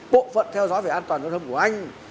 bộ phận theo dõi về an toàn giao thông của anh